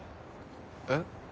えっ？